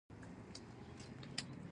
څه ډول فلاسفې دي چې غږ خاموش دی.